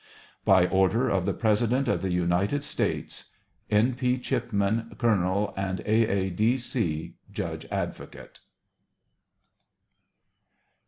By order of tbe President of tbe United States : N. P. CHIPMAN, Colonel and A. A. D. C, Judge Advocate.